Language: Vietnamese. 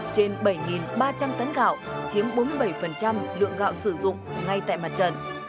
trên bảy ba trăm linh tấn gạo chiếm bốn mươi bảy lượng gạo sử dụng ngay tại mặt trận